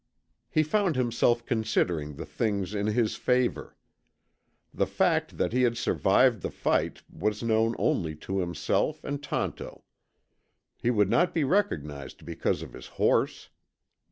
He found himself considering the things in his favor. The fact that he had survived the fight was known only to himself and Tonto. He would not be recognized because of his horse.